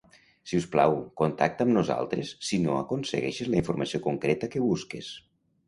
Si us plau, contacta amb nosaltres si no aconsegueixes la informació concreta que busques.